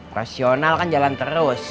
profesional kan jalan terus